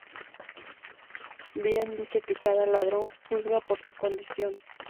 Bien dicen que cada ladrón juzga por su condición.